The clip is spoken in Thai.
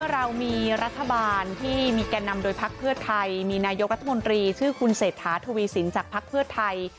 เมื่อเรามีรัฐบาลที่มีแก่นำโดยภาคเพื่อไทยมีนายกระทรมนตรีชื่อคุณเศษฐาทุวีศิลป์จากภาคเพื่อไทย